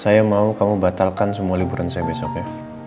saya mau kamu batalkan semua liburan saya besok ya